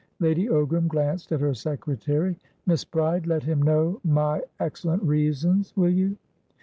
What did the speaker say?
Lady Ogram glanced at her secretary. "Miss Bride, let him know my 'excellent reasons,' will you?"